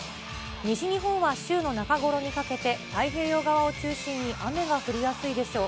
西日本は週の中ごろにかけて、太平洋側を中心に、雨が降りやすいでしょう。